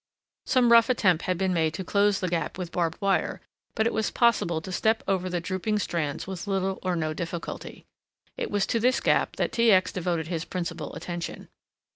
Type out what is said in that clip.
Some rough attempt had been made to close the gap with barbed wire, but it was possible to step over the drooping strands with little or no difficulty. It was to this gap that T. X. devoted his principal attention.